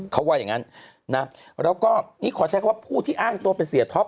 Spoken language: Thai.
เขาว่าอย่างนั้นนะแล้วก็นี่ขอใช้คำว่าผู้ที่อ้างตัวเป็นเสียท็อป